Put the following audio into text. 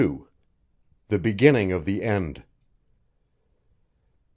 THE BEGINNING OF THE END.